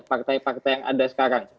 partai partai yang ada sekarang